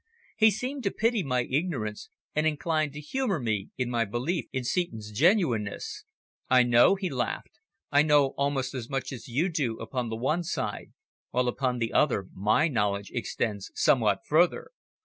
He seemed to pity my ignorance, and inclined to humour me in my belief in Seton's genuineness. "I know," he laughed. "I know almost as much as you do upon the one side, while upon the other my knowledge extends somewhat further.